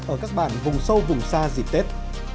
ở các bản vùng sâu vùng xa dịp tết